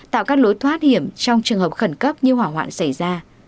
tạo các lối thoát hiểm trong trường hợp khẩn cấp như hỏa hoạn xảy ra